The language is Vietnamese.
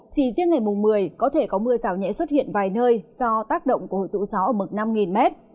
chỉ riêng ngày mùng một mươi có thể có mưa rào nhẹ xuất hiện vài nơi do tác động của hội tụ gió ở mực năm m